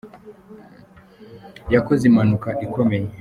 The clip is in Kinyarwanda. yakoze imanuka ikomeye